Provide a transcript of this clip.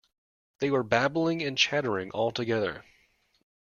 They were babbling and chattering all together.